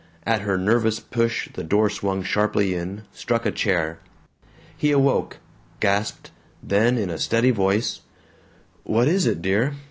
At her nervous push the door swung sharply in, struck a chair. He awoke, gasped, then in a steady voice: "What is it, dear?